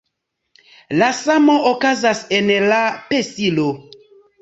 La samo okazas en la pesilo.